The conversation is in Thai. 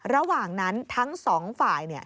ระหว่างนั้นทั้งสองฝ่าย